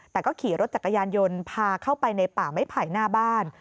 แต่ก็ขี่รถจักรยานยนต์พาเข้าไปในป่าไม้ไผ่หน้าบ้าน